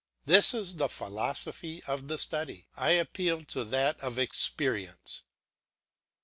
This is the philosophy of the study; I appeal to that of experience.